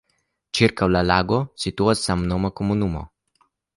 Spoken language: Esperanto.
Ĉirkaŭ la lago situas samnoma komunumo.